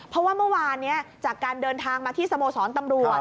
เพราะว่าเมื่อวานนี้จากการเดินทางมาที่สโมสรตำรวจ